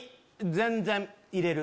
全然入れる？